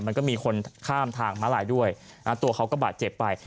มันก็มีคนข้ามทางม้าลายด้วยตัวเขาก็บาดเจ็บไป